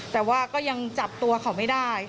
แต่ว่าก็ยังจับตัวเขาไม่ได้